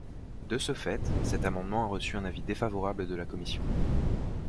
De ce fait, cet amendement a reçu un avis défavorable de la commission.